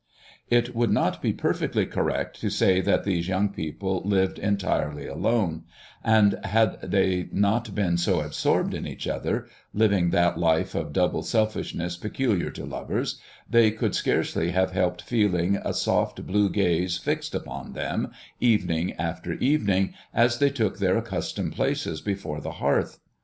It would not be perfectly correct to say that these young people lived entirely alone; and had they not been so absorbed in each other, living that life of double selfishness peculiar to lovers, they could scarcely have helped feeling a soft blue gaze fixed upon them, evening after evening, as they took their accustomed places before the hearth.